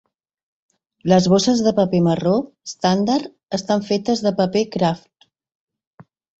Les bosses de paper marró estàndard estan fetes de paper kraft.